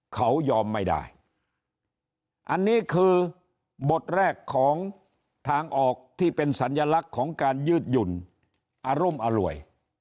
เขายอมไม่ได้อันนี้คือบทแรกของทางออกที่เป็นสัญลักษณ์ของการยืดหยุ่นอารุมอร่วย